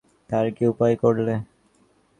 তার কী উপায় করলে?